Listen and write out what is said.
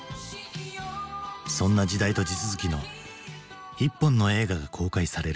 そんな時代と地続きの一本の映画が公開される。